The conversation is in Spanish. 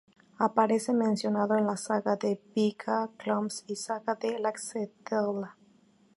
Aparece mencionado en la "saga de Víga-Glúms", y "saga de Laxdœla".